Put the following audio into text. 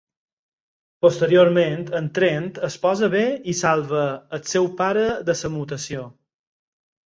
Posteriorment en Trent es posa bé i salva el seu pare de la mutació.